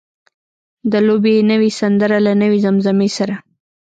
د لوبې نوې سندره له نوې زمزمې سره.